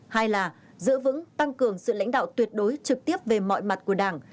hai là giữ vững tăng cường sự lãnh đạo tuyệt đối trực tiếp về mọi mặt của đảng